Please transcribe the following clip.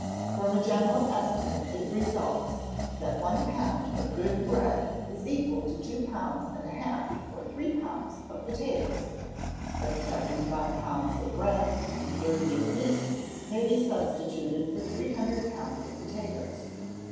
From a general estimate it results, that one pound of good bread is equal to two pounds and a half or three pounds of potatoes; that seventy five pounds of bread and thirty of meat may be substituted for 300 pounds of potatoes.